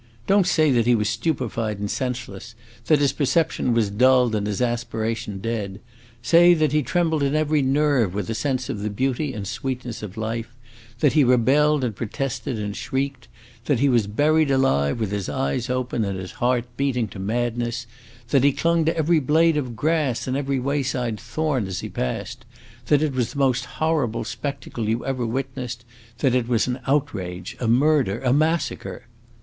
Don't say that he was stupefied and senseless; that his perception was dulled and his aspiration dead. Say that he trembled in every nerve with a sense of the beauty and sweetness of life; that he rebelled and protested and shrieked; that he was buried alive, with his eyes open, and his heart beating to madness; that he clung to every blade of grass and every way side thorn as he passed; that it was the most horrible spectacle you ever witnessed; that it was an outrage, a murder, a massacre!"